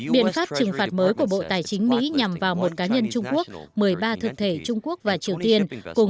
biện pháp trừng phạt mới của bộ tài chính mỹ nhằm vào một cá nhân trung quốc một mươi ba thực thể trung quốc và triều tiên